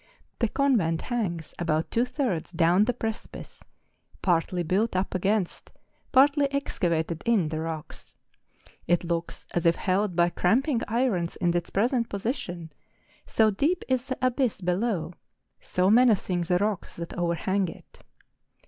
The convent hangs about two thirds down the pre¬ cipice, partly built up against, partly excavated in the rocks; it looks as if held by cramping irons in its present position, so deep is the abyss below, so menacing the rocks that overhang it.